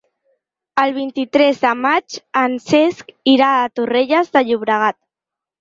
El vint-i-tres de maig en Cesc irà a Torrelles de Llobregat.